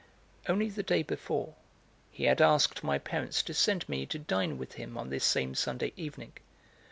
Only the day before he had asked my parents to send me to dine with him on this same Sunday evening.